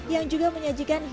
yang juga menyajikan tempat